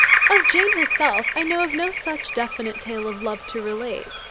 Of Jane herself I know of no such definite tale of love to relate.